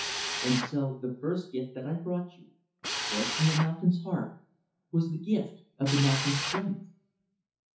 And so, the first gift that I brought you fresh from the mountain's heart was the gift of the mountain's strength.